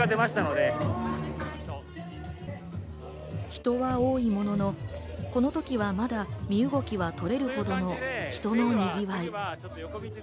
人は多いものの、この時はまだ身動きは取れるほどの人のにぎわい。